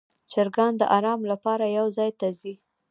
چرګان د آرام لپاره یو ځای ته ځي.